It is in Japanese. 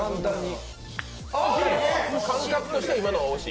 感覚としては今のは惜しい。